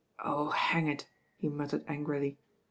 "Oh, hang it!" he muttered angrily.